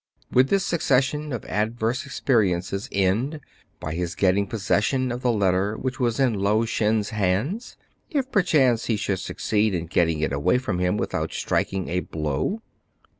Would this succession of adverse experiences end by his getting possession of the letter which was in Lao Shen's hands, if perchance he should suc ceed in getting it away from him without striking a blow